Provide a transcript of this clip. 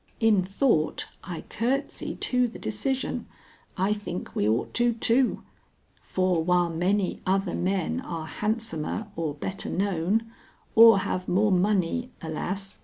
In thought, I courtesy to the decision; I think we ought to too. For while many other men are handsomer or better known, or have more money, alas!